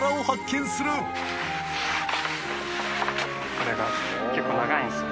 これが結構長いんですよ